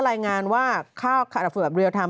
รายงานว่าค่าฝุ่นแบบเรียลไทม์